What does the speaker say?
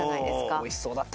おいしそうだったね。